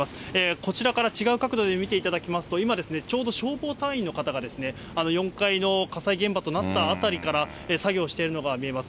こちらから違う角度で見ていただきますと、今、ちょうど消防隊員の方が４階の火災現場となった辺りから作業をしているのが見えます。